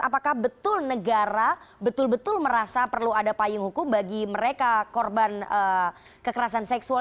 apakah betul negara betul betul merasa perlu ada payung hukum bagi mereka korban kekerasan seksual